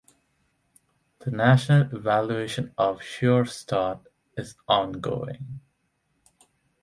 The National Evaluation of Sure Start is ongoing.